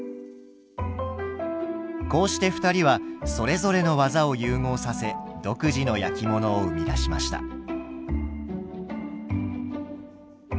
こうして２人はそれぞれの技を融合させ独自の焼き物を生み出しました。